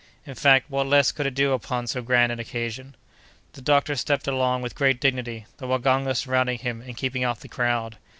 In fact, what less could it do upon so grand an occasion! The doctor stepped along with great dignity, the waganga surrounding him and keeping off the crowd.